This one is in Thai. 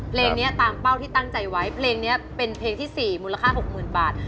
เพลงนี้ตามเป้าที่ตั้งใจไว้เพลงนี้เป็นเพลงที่๔มูลค่า๖๐๐๐บาท